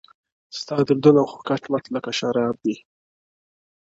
• ستا دردونه خو کټ مټ لکه شراب دي,